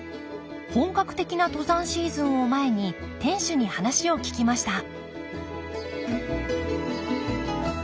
本格的な登山シーズンを前に店主に話を聞きました